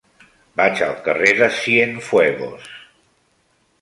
Vaig al carrer de Cienfuegos.